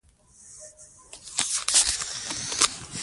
زموږ په خاوره کې به امنیت وي.